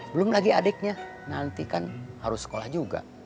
belum lagi adiknya nanti kan harus sekolah juga